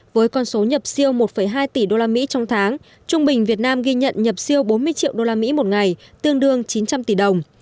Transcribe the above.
với con số nhập siêu một hai tỷ đô la mỹ trong tháng trung bình việt nam ghi nhận nhập siêu bốn mươi triệu đô la mỹ một ngày tương đương chín trăm linh tỷ đồng